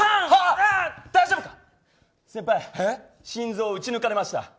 先輩、心臓を撃ち抜かれました。